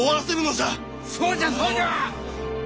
そうじゃそうじゃ！